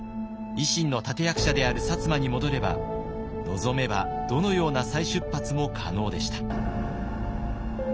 維新の立て役者である薩摩に戻れば望めばどのような再出発も可能でした。